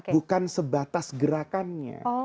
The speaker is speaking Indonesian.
bukan sebatas gerakannya